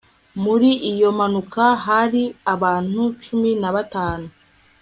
muri iyo mpanuka hari abantu cumi na batanu